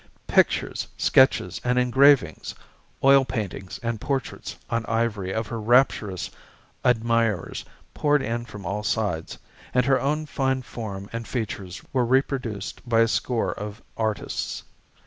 Pictures, sketches, and engravings, oil paintings, and portraits on ivory of her rapturous admirers, poured in from all sides, and her own fine form and features were reproduced by a score of artists.